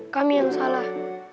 kami yang salah